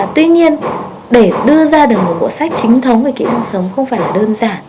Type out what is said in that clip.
tuy nhiên để đưa ra được một bộ sách chính thống về kỹ năng sống không phải là đơn giản